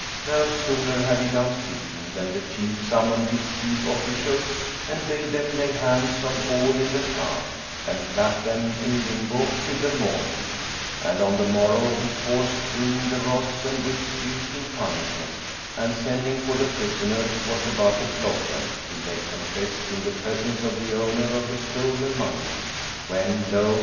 No sooner had he done speaking than the Chief summoned his chief officials and bade them lay hands on all in the khan and clap them in limbo till the morning; and on the morrow, he caused bring the rods and whips used in punishment, and, sending for the prisoners, was about to flog them till they confessed in the presence of the owner of the stolen money when, lo!